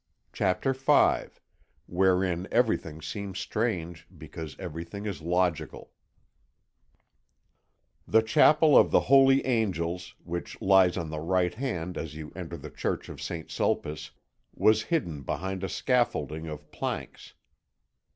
CHAPTER V WHEREIN EVERYTHING SEEMS STRANGE BECAUSE EVERYTHING IS LOGICAL The Chapel of the Holy Angels, which lies on the right hand as you enter the Church of St. Sulpice, was hidden behind a scaffolding of planks.